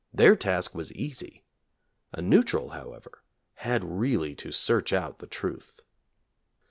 Their task was easy. A neutral, however, had really to search out the truth.